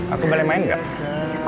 aku boleh main gak